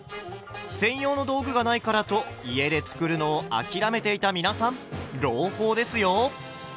専用の道具がないからと家で作るのを諦めていた皆さん朗報ですよ！